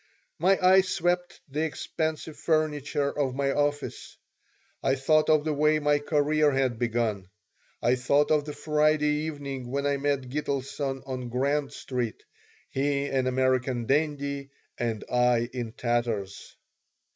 My eye swept the expensive furniture of my office. I thought of the way my career had begun. I thought of the Friday evening when I met Gitelson on Grand Street, he an American dandy and I in tatters.